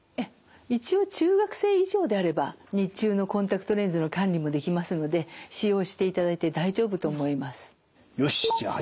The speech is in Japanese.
一応中学生以上であれば日中のコンタクトレンズの管理もできますので使用していただいて大丈夫と思います。